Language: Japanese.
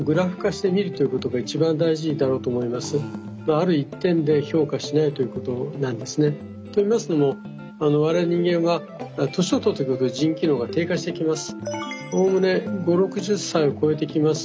ある一点で評価しないということなんですね。と言いますのも我々人間は年を取ってくると腎機能が低下してきます。